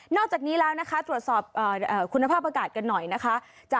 อกจากนี้แล้วนะคะตรวจสอบคุณภาพอากาศกันหน่อยนะคะ